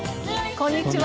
こんにちは。